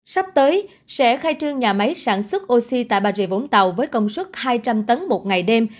sắp tới sẽ khai trương nhà máy sản xuất oxy tại bà rịa vũng tàu với công suất hai trăm linh tấn một ngày đêm